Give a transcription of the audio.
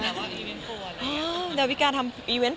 เดี๋ยววิการ์ทำปวดอีกแล้วค่ะ